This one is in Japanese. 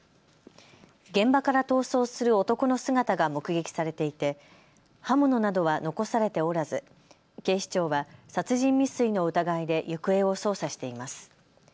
現場から逃走する男の姿が目撃されていて刃物などは残されておらず警視庁は殺人未遂の疑いで行方を捜査しています。